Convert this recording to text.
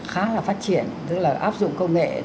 khá là phát triển tức là áp dụng công nghệ